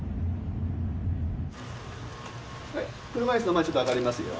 車椅子の前ちょっと上がりますよ。